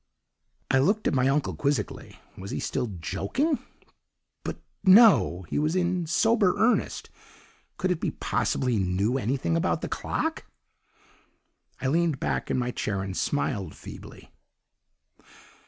"I looked at my uncle quizzically was he still joking? But no! he was in sober earnest: could it be possible he knew anything about the clock. "I leaned back in my chair and smiled feebly.